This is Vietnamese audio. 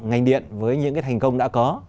ngành điện với những cái thành công đã có